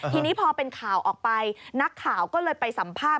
ทีนี้พอเป็นข่าวออกไปนักข่าวก็เลยไปสัมภาษณ